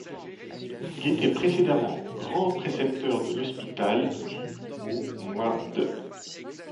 Il était précédemment grand précepteur de l'Hospital du au mois d'.